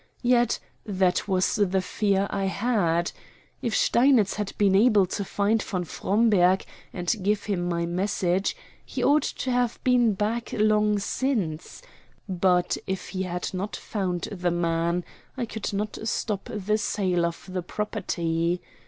Yet that was the fear I had. If Steinitz had been able to find von Fromberg and to give him my message, he ought to have been back long since; but if he had not found the man, I could not stop the sale of the property.